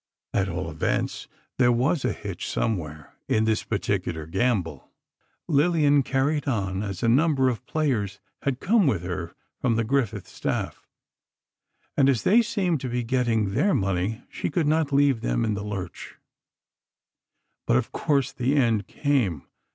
At all events, there was a hitch somewhere, in this particular gamble. Lillian carried on, as a number of players had come with her from the Griffith staff, and as they seemed to be getting their money, she could not leave them in the lurch. But, of course, the end came.